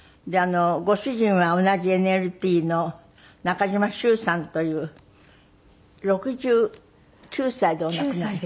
ご主人は同じＮＬＴの中嶋しゅうさんという６９歳でお亡くなり。